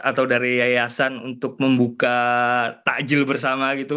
atau dari yayasan untuk membuka takjil bersama gitu